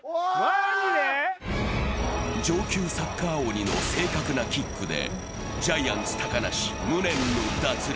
上級サッカー鬼の正確なキックでジャイアンツ・高梨、無念の脱落。